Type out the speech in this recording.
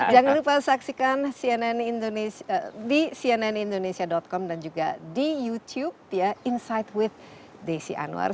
jangan lupa saksikan di cnnindonesia com dan juga di youtube insight with desi anwar